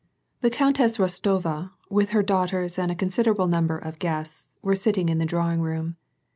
The Countess Rostova, with her daughters and a consider able number of guests, was sitting in the drawing room.